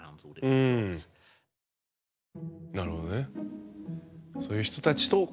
うんなるほどね。